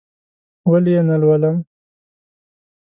ولې یې نه لولم؟!